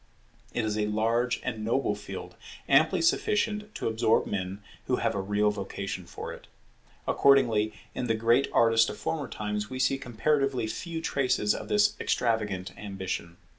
It is a large and noble field, amply sufficient to absorb men who have a real vocation for it. Accordingly, in the great artist of former times we see comparatively few traces of this extravagant ambition.